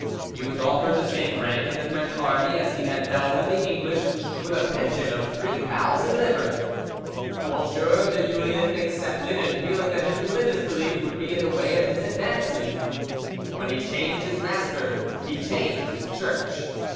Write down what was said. He was offered the same rank in the French army as he had held in the English, with a pension of 3000 livres. M de Julien accepted, and feeling that his religious belief would be in the way of his advancement, when he changed his master he changed his Church.